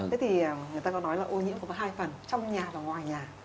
thế thì người ta có nói là ô nhiễm có hai phần trong nhà và ngoài nhà